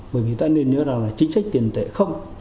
bởi vì ta nên nhớ rằng là chính sách tiền tệ không